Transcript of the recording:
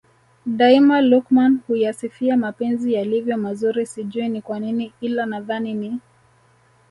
Daima Luqman huyasifia mapenzi yalivyo mazuri sijui ni kwanini ila nadhani ni